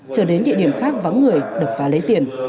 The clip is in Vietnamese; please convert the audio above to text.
chờ đến địa điểm khác vắng người được phá lấy tiền